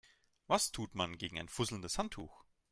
Was tut man gegen ein fusselndes Handtuch?